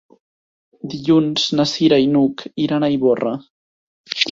Dilluns na Cira i n'Hug iran a Ivorra.